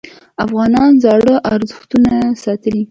افغانانو زاړه ارزښتونه ساتلي.